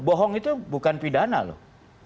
bohong itu bukan pidana loh